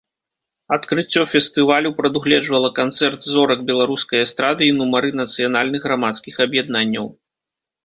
Адкрыццё фестывалю прадугледжвала канцэрт зорак беларускай эстрады і нумары нацыянальных грамадскіх аб'яднанняў.